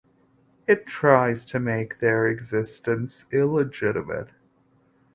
It tries to make their existence illegitimate.